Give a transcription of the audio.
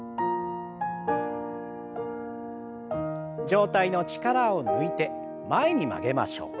上体の力を抜いて前に曲げましょう。